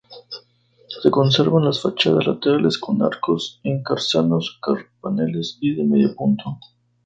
Se conservan las fachadas laterales con arcos escarzanos, carpaneles y de medio punto.